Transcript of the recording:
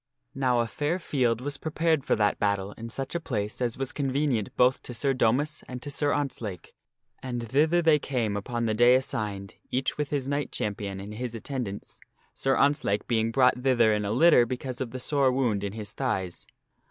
Now a fair field was prepared for that battle in such a place as was con venient both to Sir Domas and to Sir Ontzlake, and thither they came upon the day assigned, each with his knight champion and his attendants, Sir Ontzlake being brought thither in a litter because of the sore wound in his thighs.